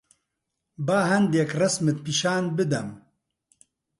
با هەندێک ڕەسمت پیشان بدەم.